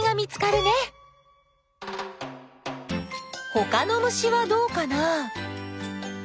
ほかの虫はどうかな？